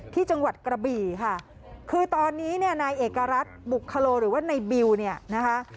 ที่จังหวัดกระบี่ค่ะคือตอนนี้เนี่ยนายเอกรัฐบุคโลหรือว่าในบิวเนี่ยนะคะ